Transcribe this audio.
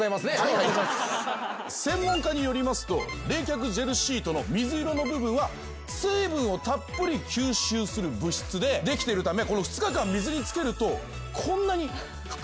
専門家によりますと冷却ジェルシートの水色の部分は水分をたっぷり吸収する物質でできているためこの２日間水に漬けるとこんなに膨れ上がるんだそうです。